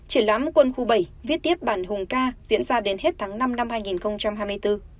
triển lãm quân khu bảy viết tiếp bản hùng ca diễn ra đến hết tháng năm năm hai nghìn hai mươi bốn